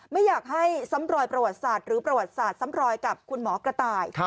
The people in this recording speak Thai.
ไม่อยากให้ซ้ำรอยประวัติศาสตร์หรือประวัติศาสตร์ซ้ำรอยกับคุณหมอกระต่าย